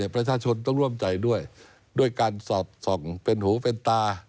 ประชาชนต้องร่วมใจด้วยด้วยการสอดส่องเป็นหูเป็นตา